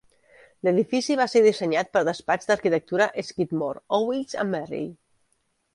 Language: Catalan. L'edifici va ser dissenyat per despatx d'arquitectura Skidmore, Owings and Merrill.